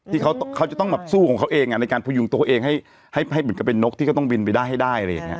ที่เขาจะต้องแบบสู้ของเขาเองในการพยุงตัวเองให้เหมือนกับเป็นนกที่ก็ต้องบินไปได้ให้ได้อะไรอย่างนี้